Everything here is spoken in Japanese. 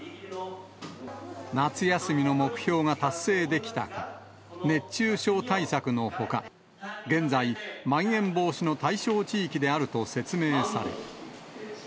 夏休みの目標が達成できたか、熱中症対策のほか、現在、まん延防止の対象地域であると説明され。